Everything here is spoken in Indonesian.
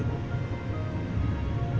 tolong jangan batasi waktu saya dengan rena